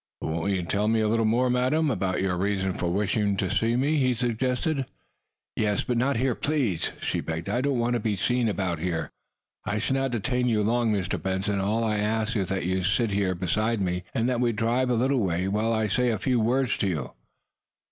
"Won't you tell me a little more, madam, about your reason for wishing to see me?" he suggested. "Yes; but not here please!" she begged. "I do not want to be seen about here. I shall not detain you long, Mr. Benson. All I ask is that you sit here beside me, and that we drive a little way, while I say a few words to you."